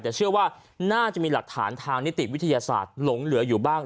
แต่เชื่อว่าน่าจะมีหลักฐานทางนิติวิทยาศาสตร์หลงเหลืออยู่บ้าง